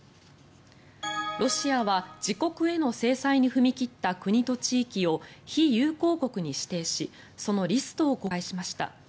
ロシアは自国への制裁に踏み切った国と地域を非友好国に指定しそのリストを公開しました。